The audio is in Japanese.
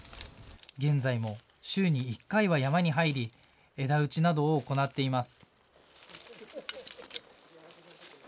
現在も週に１回は山に入り枝打ちなどを行っています。